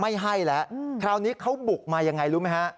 ไม่ให้แล้วคราวนี้เขาบุกมายังไงรู้ไหมฮะ